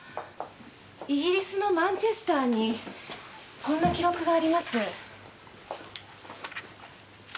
イギリスのマンチェスターにこんな記録があります。